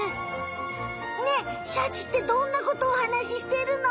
ねえシャチってどんなことをおはなししてるの？